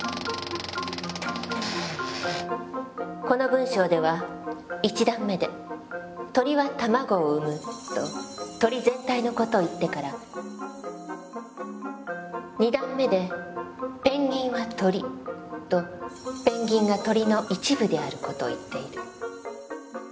この文章では一段目で「鳥は卵を産む」と鳥全体の事を言ってから二段目で「ペンギンは鳥」とペンギンが鳥の一部である事を言っている。